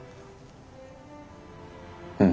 うん。